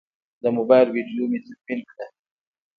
د موبایل ویدیو مې تدوین کړه.